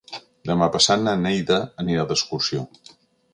Demà passat na Neida anirà d'excursió.